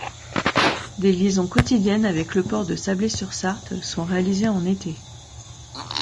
Des liaisons quotidiennes avec le port de Sablé-sur-Sarthe sont réalisées en été.